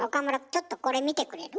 ちょっとこれ見てくれる？